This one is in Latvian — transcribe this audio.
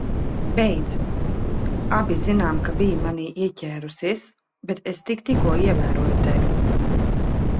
Beidz. Abi zinām, ka biji manī ieķērusies, bet es tik tikko ievēroju tevi.